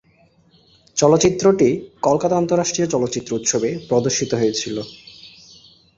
চলচ্চিত্রটি কলকাতা আন্তঃরাষ্ট্রীয় চলচ্চিত্র উৎসবে প্রদর্শিত হয়েছিল।